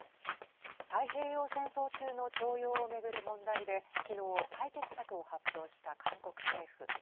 太平洋戦争中の徴用を巡る問題で昨日、解決策を発表した韓国政府。